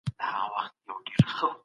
د قدرت جوړښت ته پاملرنه وکړئ.